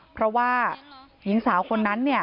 เพราะว่าหญิงสาวคนนั้น